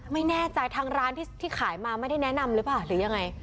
ไม่แน่ใจทางร้านที่ขายมาไม่ได้แนะนำหรือเปล่าหรือยังไง